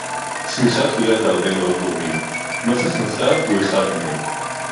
צמיחה תלויה בהרבה מאוד גורמים; מס הכנסה הוא אחד מהם